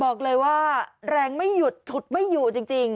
บอกเลยว่าแรงไม่หยุดฉุดไม่อยู่จริง